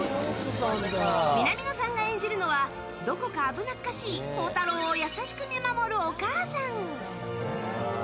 南野さんが演じるのはどこか危なっかしい宝太郎を優しく見守るお母さん。